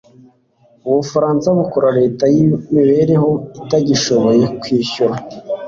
Ubufaransa bukora leta yimibereho itagishoboye kwishyura